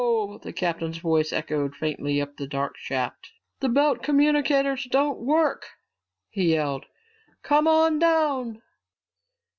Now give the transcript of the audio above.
The captain's voice echoed faintly up the dark shaft. "The belt communicators don't work!" he yelled. "Come on down!"